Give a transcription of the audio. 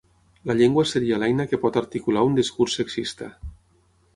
La llengua seria l'eina que pot articular un discurs sexista.